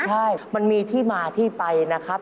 ใช่มันมีที่มาที่ไปนะครับ